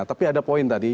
tapi ada poin tadi